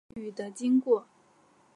参与的经过